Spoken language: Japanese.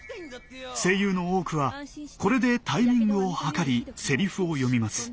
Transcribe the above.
声優の多くはこれでタイミングを計りセリフを読みます。